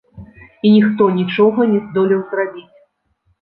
І ніхто нічога не здолеў зрабіць.